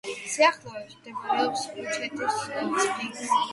სიახლოვეს მდებარეობს ბუჩეჯის სფინქსი.